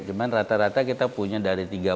cuman rata rata kita punya dari